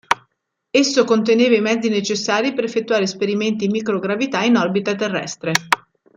Esso conteneva i mezzi necessari per effettuare esperimenti in microgravità in orbita terrestre.